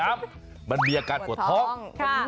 มันมีอาการปวดท้อง